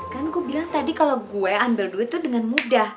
kan ku bilang tadi kalau gue ambil duit tuh dengan mudah